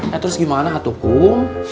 eh terus gimana hatu kum